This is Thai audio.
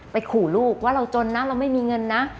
ขู่ลูกว่าเราจนนะเราไม่มีเงินนะ